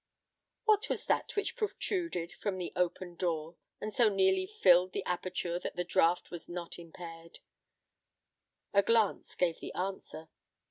What was that which protruded from the open door, and so nearly filled the aperture that the draught was not impaired? A glance gave the answer.